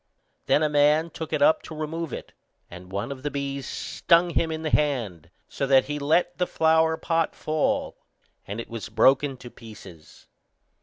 Then a man took it up to remove it, and one of the bees stung him in the hand, so that he let the flower pot fall, and it was broken to pieces.